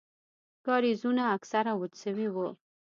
کاريزونه اکثره وچ سوي وو.